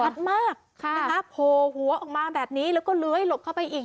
ชัดมากนะคะโผล่หัวออกมาแบบนี้แล้วก็เลื้อยหลบเข้าไปอีก